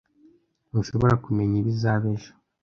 Ntushobora kumenya ibizaba ejo.